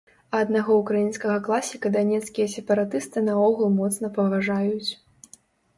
А аднаго ўкраінскага класіка данецкія сепаратысты наогул моцна паважаюць.